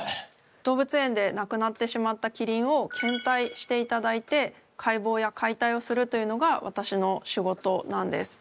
動物園で亡くなってしまったキリンを献体していただいて解剖や解体をするというのが私の仕事なんです。